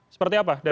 seperti apa dari ecw